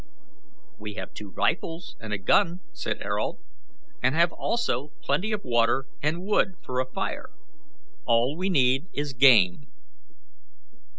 "We have two rifles and a gun," said Ayrault, "and have also plenty of water, and wood for a fire. All we need is game."